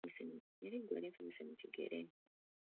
Eriggwa linfumise mu kigere.